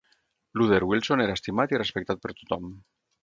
Luther Wilson era estimat i respectat per tothom.